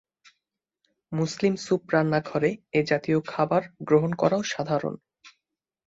মুসলিম soup রান্নাঘরে এ জাতীয় খাবার গ্রহণ করাও সাধারণ।